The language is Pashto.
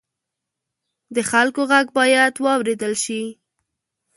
د خلکو غږ باید واورېدل شي.